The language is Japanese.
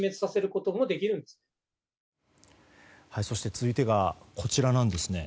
続いてはこちらなんです。